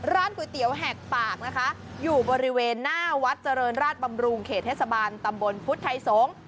ร้านก๋วยเตี๋ยวแหกปากนะคะอยู่บริเวณหน้าวัดเจริญราชบำรุงเขตเทศบาลตำบลพุทธไทยสงฆ์